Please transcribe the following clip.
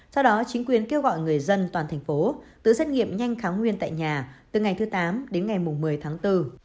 sau đó chính quyền kêu gọi người dân toàn thành phố tự xét nghiệm nhanh kháng nguyên tại nhà từ ngày thứ tám đến ngày một mươi tháng bốn